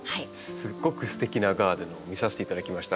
すごくすてきなガーデンを見させていただきました。